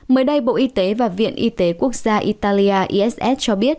mới đây bộ y tế và viện y tế quốc gia italia iss cho biết